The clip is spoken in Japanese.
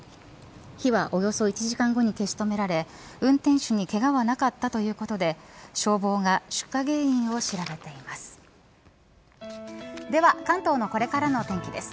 火はおよそ１時間後に消し止められ運転手にけがはなかったということで消防が出火原因を調べています。